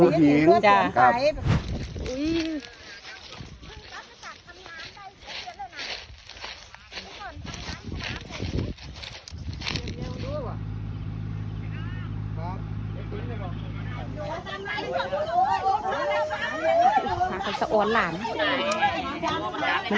มันขาวนิดหนึ่ง